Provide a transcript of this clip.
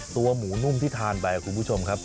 ตัวหมูนุ่มที่ทานไปคุณผู้ชมครับ